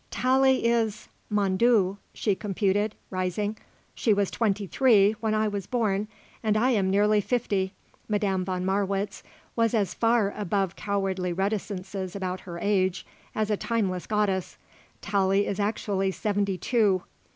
"Tallie is, mon Dieu," she computed, rising "she was twenty three when I was born and I am nearly fifty" Madame von Marwitz was as far above cowardly reticences about her age as a timeless goddess "Tallie is actually seventy two.